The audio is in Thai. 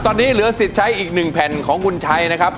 ตอนนี้เหลือสิทธิ์ใช้อีก๑แผ่นของคุณชัยนะครับ